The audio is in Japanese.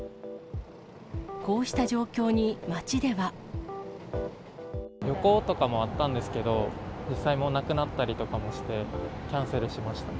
こうした状況に、旅行とかもあったんですけど、実際もう、なくなったりとかして、キャンセルしました。